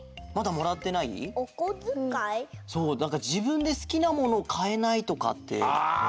そうなんかじぶんですきなものをかえないとかって。